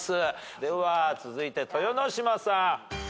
では続いて豊ノ島さん。